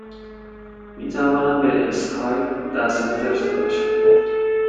می توانم به اسکایپ دسترسی داشته باشم؟